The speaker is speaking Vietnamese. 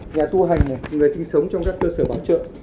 nhà tu hành người sinh sống trong các cơ sở bảo trợ